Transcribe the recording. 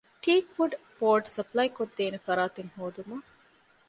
ޓީކް ވުޑް ބޯޑް ސަޕްލައިކޮށްދޭނެ ފަރާތެއް ހޯދުމަށް